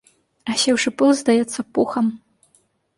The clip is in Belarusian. Асеўшы пыл здаецца пухам.